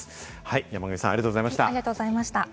山神さん、ありがとうございました。